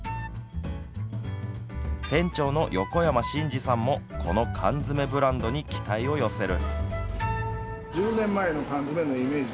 店長の横山眞二さんもこの缶詰ブランドに期待を寄せる。